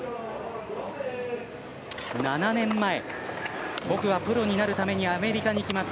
７年前僕はプロになるためにアメリカに行きます。